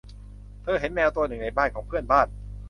เธอเห็นแมวตัวหนึ่งในบ้านของเพื่อนบ้าน